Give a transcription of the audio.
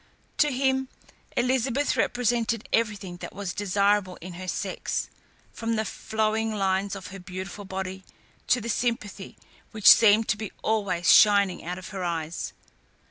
To him, Elizabeth represented everything that was desirable in her sex, from the flowing lines of her beautiful body to the sympathy which seemed to be always shining out of her eyes.